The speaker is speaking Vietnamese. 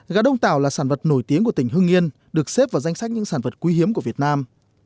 gà đông tảo là sản vật nổi tiếng của tỉnh hưng yên được xếp vào danh sách những sản vật quý hiếm của việt nam